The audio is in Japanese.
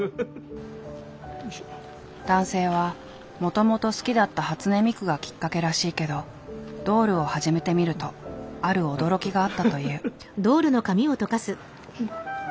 男性はもともと好きだった初音ミクがきっかけらしいけどドールを始めてみるとある驚きがあったという。